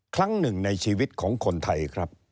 ครั้งหนึ่งในชีวิตของคนไทยครับ